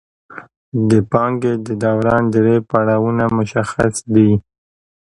د پانګې د دوران درې پړاوونه مشخص دي